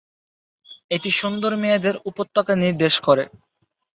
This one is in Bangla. এটি সুন্দর মেয়েদের উপত্যকা নির্দেশ করে।